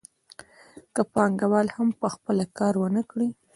که پانګوال هم په خپله کار ونه کړي